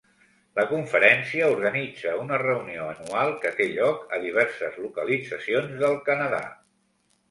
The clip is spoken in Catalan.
La Conferència organitza una reunió anual que té lloc a diverses localitzacions del Canadà.